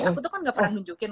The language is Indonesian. aku tuh kan gak pernah nunjukin